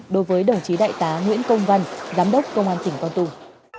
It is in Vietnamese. đối với đồng chí đại tá nguyễn công văn giám đốc công an tỉnh con tum